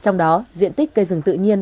trong đó diện tích cây rừng tự nhiên